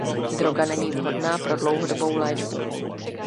Droga není vhodná pro dlouhodobou léčbu.